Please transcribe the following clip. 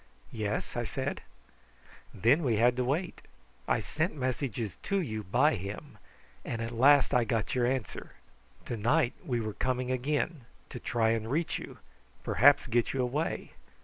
"Yes?" I said. "Then we had to wait. I sent messages to you by him; and at last I got your answer. To night we were coming again to try and reach you, perhaps get you away.